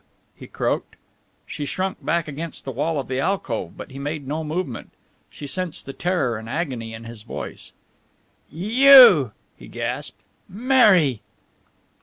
he croaked. She shrunk back against the wall of the alcove, but he made no movement. She sensed the terror and agony in his voice. "You!" he gasped. "Mary!"